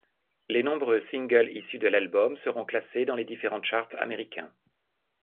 Les nombreux singles issus de l'album seront classés dans les différent charts américains.